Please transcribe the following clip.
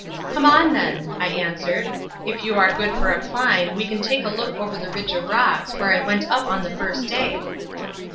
"Come on, then," I answered, "if you are good for a climb we can take a look over the ridge of rocks where I went up on the first day."